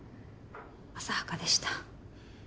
浅はかでした